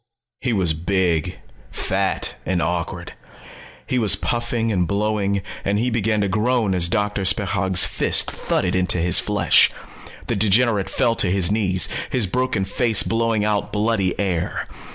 He was big, fat and awkward. He was puffing and blowing, and he began to groan as Doctor Spechaug's fists thudded into his flesh. The degenerate fell to his knees, his broken face blowing out bloody air.